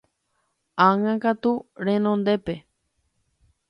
Ág̃akatu henondépe.